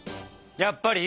やっぱり？